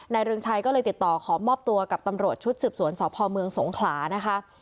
เรืองชัยก็เลยติดต่อขอมอบตัวกับตำรวจชุดสืบสวนสพเมืองสงขลานะคะ